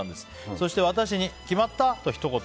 そして私に決まった？とひと言。